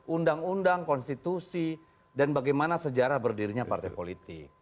undang undang konstitusi dan bagaimana sejarah berdirinya partai politik